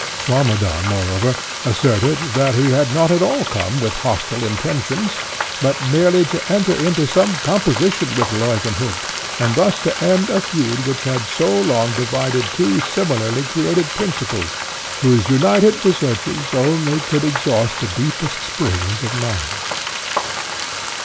Swammerdamm, moreover, asserted, that he had not at all come with hostile intentions, but merely to enter into some composition with Leuwenhock, and thus to end a feud which had so long divided two similarly created principles, whose united researches only could exhaust the deepest springs of knowledge.